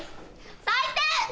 最低！